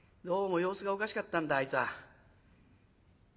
どうも様子がおかしかったんだあいつは。